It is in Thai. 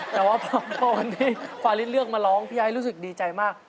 แต่ว่าพอวันนี้ฟาริสเลือกมาร้องพี่ไอ้รู้สึกดีใจมาก